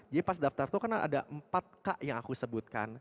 jadi pas daftar tuh karena ada empat k yang aku sebutkan